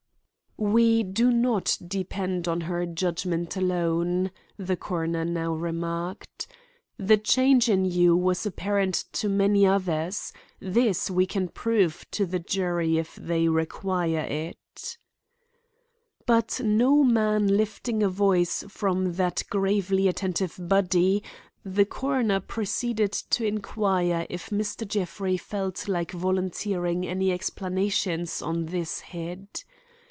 "We do not depend on her judgment alone," the coroner now remarked. "The change in you was apparent to many others. This we can prove to the jury if they require it." But no man lifting a voice from that gravely attentive body, the coroner proceeded to inquire if Mr. Jeffrey felt like volunteering any explanations on this head.